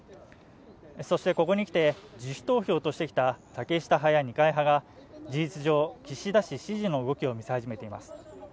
そしてここに来て自主投票としてきた竹下派や二階派が事実上岸田氏支持の動きを見せ始めています